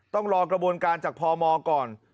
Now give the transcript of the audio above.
ต้องรอกระบวนการจากพมก่อน